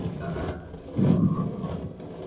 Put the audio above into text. سیاستوال ولي د ماشومانو حقونه پلي کوي؟